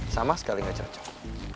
sama sekali gak cocok